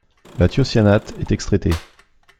Le thiocyanate est excrété.